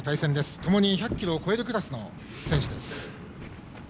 ともに１００ｋｇを超えるクラスの選手です。